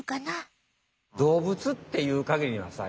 動物っていうかぎりはさ